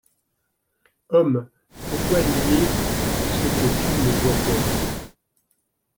Homme, pourquoi nier ce que tu ne vois point ?